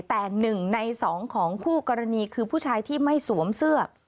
แต่๑ใน๒ของคู่กรณีคือผู้ชายที่ไม่สวมเสื้อ